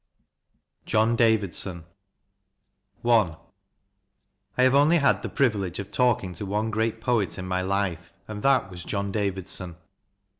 JOHN DAVIDSON I 1HAVE only had the privilege of talking to one great poet in my life, and that was John Davidson.